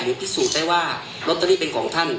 พิสูจน์ได้ว่าลอตเตอรี่เป็นของท่าน